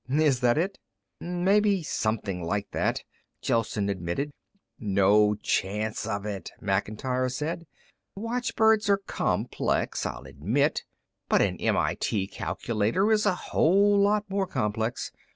Is that it?" "Maybe something like that," Gelsen admitted. "No chance of it," Macintyre said. "The watchbirds are complex, I'll admit, but an M.I.T. calculator is a whole lot more complex.